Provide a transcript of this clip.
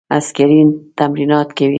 عسکري تمرینات کوي.